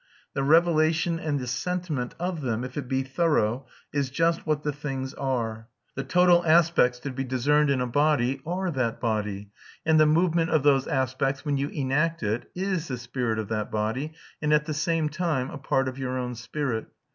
The revelation and the sentiment of them, if it be thorough, is just what the things are. The total aspects to be discerned in a body are that body; and the movement of those aspects, when you enact it, is the spirit of that body, and at the same time a part of your own spirit.